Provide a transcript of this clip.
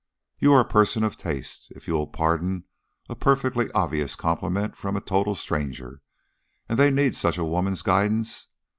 "You are a person of taste, if you will pardon a perfectly obvious compliment from a total stranger, and they need such a woman's guidance.